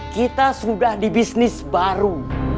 kita sudah di bisnis baru